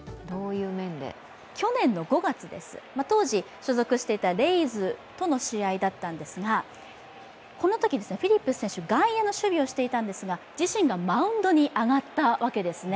去年の５月です、当時所属していたレイズとの試合だったんですがこのとき、フィリップス選手、外野の守備をしていたんですが自身がマウンドに上がったわけですね。